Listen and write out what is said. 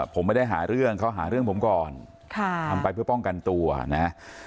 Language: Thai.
ผมไม่ได้หาเรื่องเขาหาเรื่องผมก่อนทำไปเพื่อป้องกันตัวนะฮะ